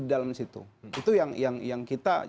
di dalam situ itu yang kita